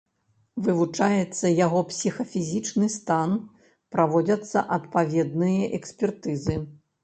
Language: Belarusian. Вывучаецца яго псіхафізічны стан, праводзяцца адпаведныя экспертызы.